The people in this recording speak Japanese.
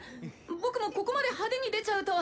「僕もここまで派手に出ちゃうとは。